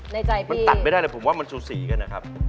มันตัดไม่ได้เลยผมว่ามันสูสีกันนะครับ